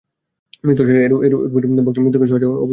মৃত্যু আসিলে এরূপ ভক্ত মৃত্যুকে সহাস্যে অভিনন্দন করিতে পারেন।